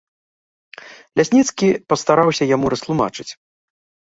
Лясніцкі пастараўся яму растлумачыць.